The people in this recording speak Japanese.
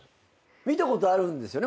見たことあるんですよね？